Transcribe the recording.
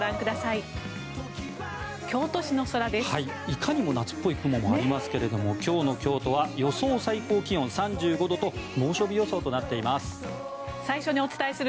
いかにも夏っぽい雲がありますけども今日の京都は予想最高気温３５度と猛暑日予想となっています。